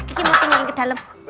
jadi mau tinggiin ke dalam